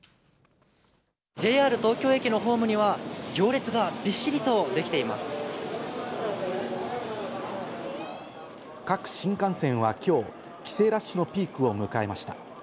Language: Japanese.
ＪＲ東京駅のホームには、各新幹線はきょう、帰省ラッシュのピークを迎えました。